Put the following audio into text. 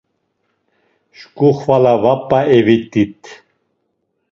Şǩu xvala va p̌a evit̆it.